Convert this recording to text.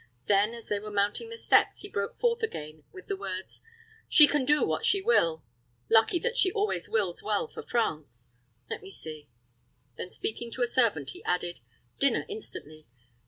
Then, as they were mounting the steps, he broke forth again with the words, "She can do what she will lucky that she always wills well for France; Let me see " Then, speaking to a servant, he added, "Dinner instantly.